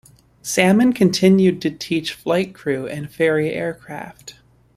Salmon continued to teach flight crew and ferry aircraft.